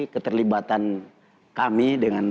keterlibatan kami dengan